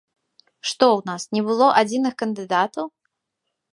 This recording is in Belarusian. Што ў нас, не было адзіных кандыдатаў?